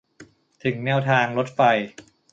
ถึงแนวทางรถไฟ